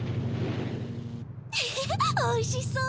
フフフおいしそう。